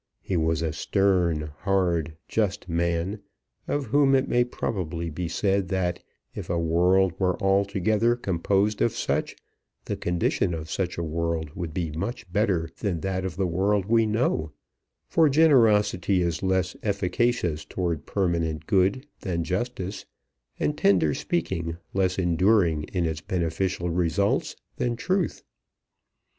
He was a stern, hard, just man, of whom it may probably be said that if a world were altogether composed of such, the condition of such a world would be much better than that of the world we know; for generosity is less efficacious towards permanent good than justice, and tender speaking less enduring in its beneficial results than truth.